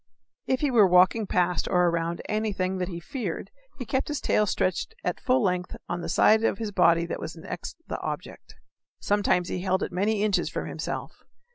If he were walking past or around anything that he feared he kept his tail stretched at full length on the side of his body that was next the object sometimes he held it many inches from himself.